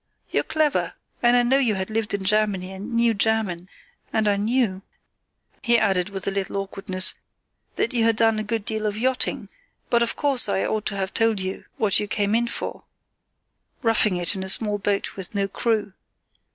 You're clever, and I knew you had lived in Germany and knew German, and I knew," he added, with a little awkwardness, "that you had done a good deal of yachting; but of course I ought to have told you what you were in for—roughing it in a small boat with no crew.